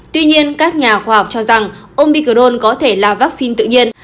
tuy nhiên các nhà khoa học cho rằng omicrone có thể là vaccine tự nhiên